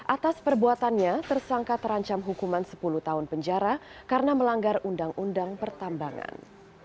atas perbuatannya tersangka terancam hukuman sepuluh tahun penjara karena melanggar undang undang pertambangan